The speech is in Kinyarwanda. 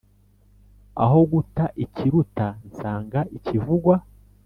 aho guta ikiruta nsanga ikivugwa